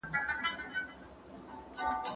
زه کولای سم اوبه پاک کړم؟